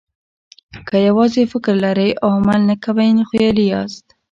که یوازې فکر لرئ او عمل نه کوئ، نو خیالي یاست.